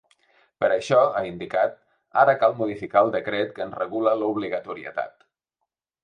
Per això, ha indicat, ara cal modificar el decret que en regula l’obligatorietat.